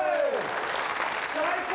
最高！